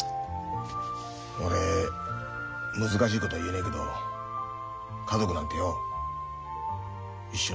俺難しいことは言えねえけど家族なんてよ一緒にいられるのほんの一瞬よ。